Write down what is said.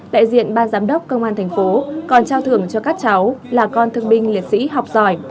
đại diện ban giám đốc công an thành phố còn trao thưởng cho các cháu là con thương binh liệt sĩ học giỏi